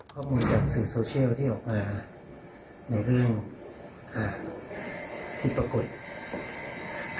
ข้อมูลจากสื่อโซเชียลที่ออกมาในเรื่องอ่าที่ปรากฏ